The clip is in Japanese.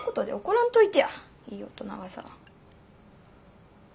いい大人がさ。